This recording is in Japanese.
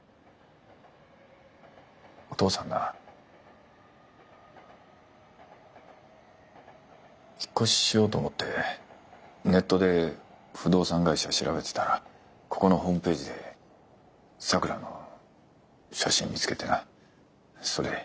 お父さんな引っ越ししようと思ってネットで不動産会社を調べてたらここのホームページで咲良の写真見つけてなそれで。